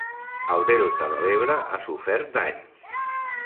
El delta de l'Ebre ha sofert danys